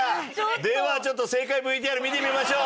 ではちょっと正解ＶＴＲ見てみましょう。